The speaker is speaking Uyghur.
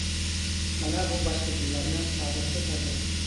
مانا بۇ باشقا دىنلارنىڭ ھازىرقى تەقدىرى.